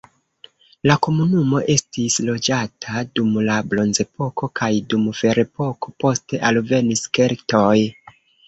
La komunumo estis loĝata dum la bronzepoko kaj dum ferepoko, poste alvenis keltoj.